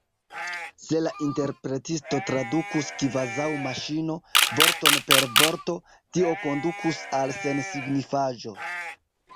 Se la interpretisto tradukus kvazaŭ maŝino, vorton per vorto, tio kondukus al sensignifaĵo.